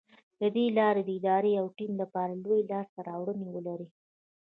له دې لارې د ادارې او ټيم لپاره لویې لاسته راوړنې ولرئ.